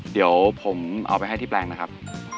เดี๋ยวผมเอาไปให้ที่แปลงนะครับ